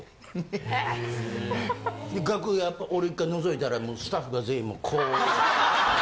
・へぇ・楽屋俺一回のぞいたらもうスタッフが全員こう。